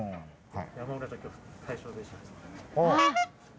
はい。